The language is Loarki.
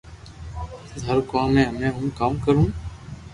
پسي ٿارو ڪوم ھي ھمي ھون ڪاو ڪرو